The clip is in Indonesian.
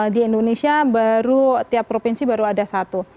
di indonesia baru tiap provinsi baru ada satu